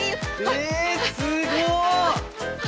えすごい！